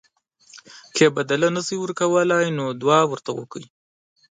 که یې بدله نه شئ ورکولی نو دعا ورته وکړئ.